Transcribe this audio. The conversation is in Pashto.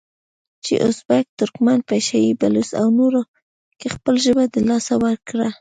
چې ازبک، ترکمن، پشه یي، بلوڅ او نورو که خپله ژبه د لاسه ورکړه،